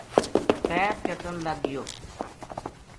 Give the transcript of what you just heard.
پیر چٹن لگ گیو